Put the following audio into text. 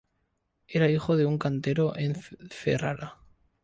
Era hijo de un cantero en Ferrara.